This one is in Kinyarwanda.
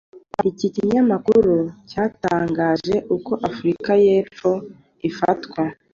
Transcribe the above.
iki kinyamakuru cyatangaje uko Afurika y’Epfo ifatwa